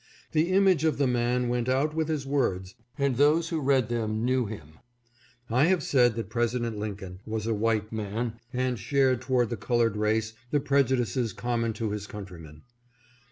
The image of the man went out with his words, and those who read them, knew him. I have said that President Lincoln was a white man and shared towards the colored race the prejudices com mon to his countrymen.